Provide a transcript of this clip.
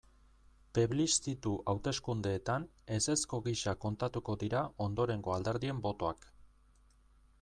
Plebiszitu hauteskundeetan ezezko gisa kontatuko dira ondorengo alderdien botoak.